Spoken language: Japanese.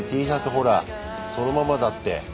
ほらそのままだって。